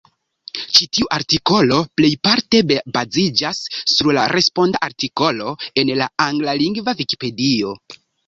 Ĉi tiu artikolo plejparte baziĝas sur la responda artikolo en la anglalingva Vikipedio.